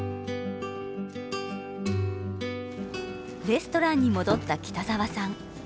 レストランに戻った北沢さん。